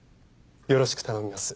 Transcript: よろしく頼みます。